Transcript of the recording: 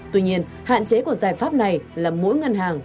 tuy nhiên hạn chế của giải pháp này là mỗi ngân hàng